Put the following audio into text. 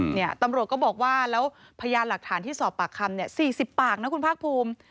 แต่ตำรวจก็บอกว่าพยายามหลักฐานที่สอบปากคำ๔๐ปากคุณภาครภูมิ